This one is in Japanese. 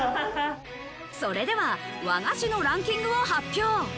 それでは和菓子のランキングを発表。